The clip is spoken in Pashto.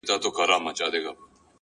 • ځمه گريوان پر سمندر باندي څيرم،